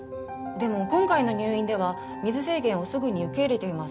でも今回の入院では水制限をすぐに受け入れています。